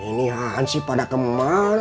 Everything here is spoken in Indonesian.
ini hanzib pada kemana